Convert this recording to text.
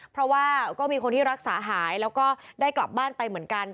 เพราะว่าก็มีคนที่รักษาหายแล้วก็ได้กลับบ้านไปเหมือนกัน